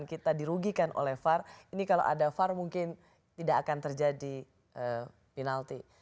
kita dirugikan oleh var ini kalau ada var mungkin tidak akan terjadi penalti